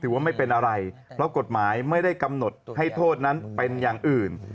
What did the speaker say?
ว่าไม่เป็นอะไรเพราะกฎหมายไม่ได้กำหนดให้โทษนั้นเป็นอย่างอื่น